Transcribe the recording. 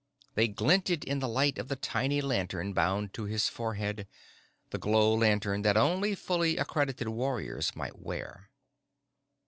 They glinted in the light of the tiny lantern bound to his forehead, the glow lantern that only fully accredited warriors might wear.